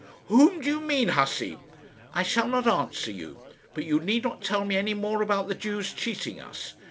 "Whom do you mean, hussey?" "I shall not answer you; but you need not tell me any more about the Jews cheating us.